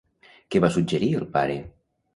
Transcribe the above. Què va suggerir el pare?